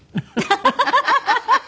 ハハハハ。